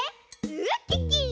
ウッキッキ！